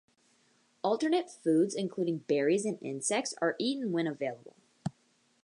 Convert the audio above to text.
Alternate foods, including berries and insects, are eaten when available.